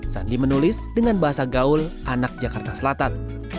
sandi menulis dengan bahasa gaul anak jakarta selatan